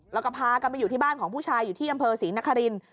แล้วก็พากันไปอยู่ที่บ้านของผู้ชายอยู่ที่อำเภอศรีนคริน